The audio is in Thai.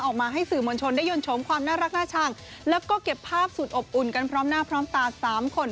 ออกมาให้สื่อมวลชนได้ยนต์ชมความน่ารักน่าชังแล้วก็เก็บภาพสุดอบอุ่นกันพร้อมหน้าพร้อมตาสามคน